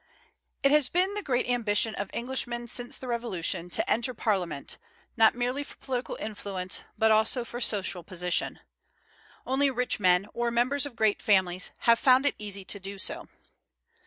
It has been the great ambition of Englishmen since the Revolution to enter Parliament, not merely for political influence, but also for social position. Only rich men, or members of great families, have found it easy to do so.